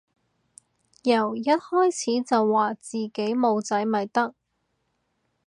由一開始就話自己冇仔咪得